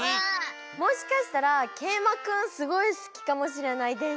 もしかしたらけいまくんすごいすきかもしれないでんしゃがあって。